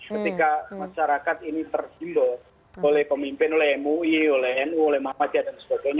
ketika masyarakat ini terhindar oleh pemimpin oleh mui oleh nu oleh muhammadiyah dan sebagainya